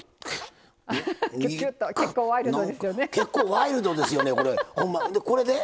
結構、ワイルドですよね。